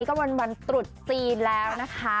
ก็วันตรุษจีนแล้วนะคะ